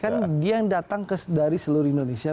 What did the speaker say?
kan dia yang datang dari seluruh indonesia